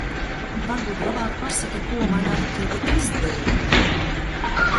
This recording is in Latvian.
Varbūt labāk pasaki, ko man ar tevi izdarīt?